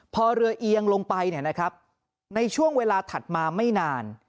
พอเรือเอียงลงไปเนี่ยนะครับในช่วงเวลาถัดมาไม่นาน